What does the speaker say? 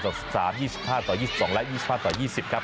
๑๓๒๕ต่อ๒๒และ๒๕ต่อ๒๐ครับ